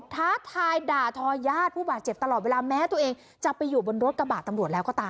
ท้าทายด่าทอญาติผู้บาดเจ็บตลอดเวลาแม้ตัวเองจะไปอยู่บนรถกระบาดตำรวจแล้วก็ตาม